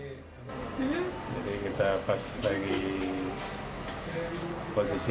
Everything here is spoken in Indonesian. jadi kita pas lagi posisi